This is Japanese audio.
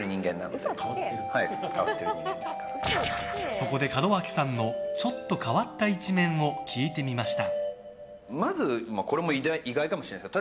そこで、門脇さんのちょっと変わった一面を聞いてみました。